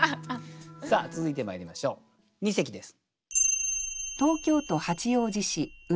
さあ続いてまいりましょう二席です。